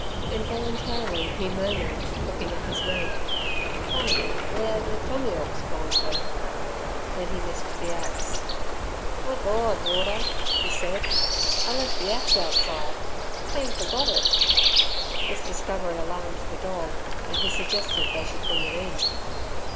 Involuntarily he murmured, looking at his mate, "Funny w'ere ther tommy'awk's gone ter!" Then he missed the axe. "My Gord, Warder!" he said, "I lef' the axe outside; clean forgot it!" This discovery alarmed the dog, and he suggested they should bring it in.